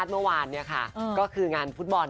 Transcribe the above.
เมื่อวานเนี่ยค่ะก็คืองานฟุตบอล